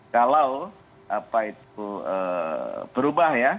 kalau berubah ya